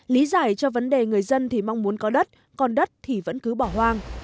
lý giải cho vấn đề người dân thì mong muốn có đất còn đất thì vẫn cứ bỏ hoang